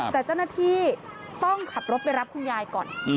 แต่เจ้าหน้าที่ต้องขับรถไปรับคุณยายก่อน